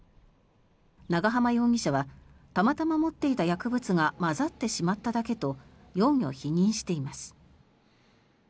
長濱容疑者はたまたま持っていた薬物が混ざってしまっただけと容疑を否認しています。